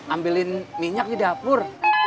ambilin minyaknya di dapur